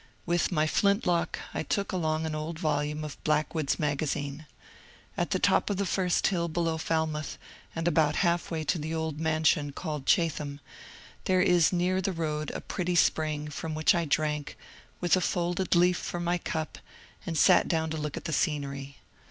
With my flint lock I took along an old volume of ^^ Blackwood's Magazine." At the top of the first hill below Falmouth, and about halfway to the old mansion called ^*' Chatham," there is near the road a pretty spring, from which I drank, with a folded leaf for my cup, and sat down to look at the scenery.